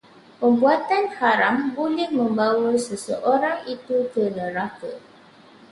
Perbuatan haram boleh membawa seseorang itu ke neraka